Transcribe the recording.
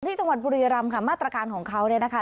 ที่จังหวัดบุรีรำค่ะมาตรการของเขาเนี่ยนะคะ